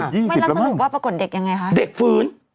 ไม่แล้วสรุปว่าปรากฏเด็กยังไงคะเด็กฟื้น